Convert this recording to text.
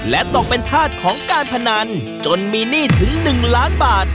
และตกเป็นธาตุของการพนันจนมีหนี้ถึง๑ล้านบาท